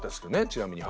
ちなみに。